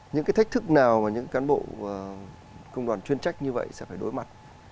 những cái thách thức nào mà những cán bộ công đoàn chuyên trách như vậy sẽ phải đối mặt